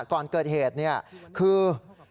ก่อนเกิดเหตุเนี่ยคือ